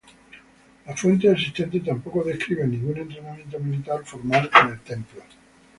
Las fuentes existentes tampoco describen ningún entrenamiento militar formal en el Templo.